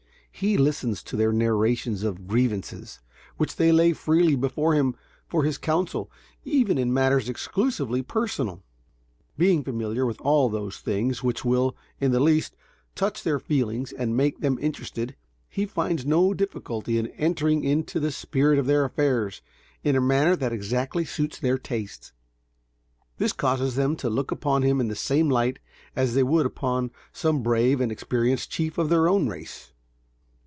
He listens to their narrations of grievances which they lay freely before him for his counsel, even in matters exclusively personal. Being familiar with all those things which will, in the least, touch their feelings and make them interested, he finds no difficulty in entering into the spirit of their affairs in a manner that exactly suits their tastes. This causes them to look upon him in the same light as they would upon some brave and experienced chief of their own race.